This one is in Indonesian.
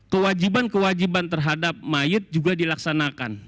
kewajiban kewajiban terhadap mayat juga dilaksanakan